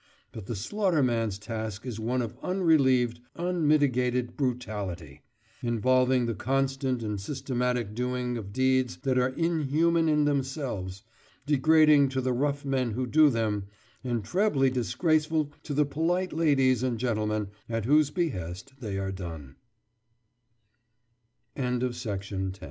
But the slaughterman's task is one of unrelieved, unmitigated brutality, involving the constant and systematic doing of deeds that are inhuman in themselves, degrading to the rough men who do them, and trebly disgraceful to the polite ladies and gentlemen at whose b